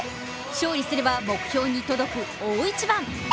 勝利すれば目標に届く大一番。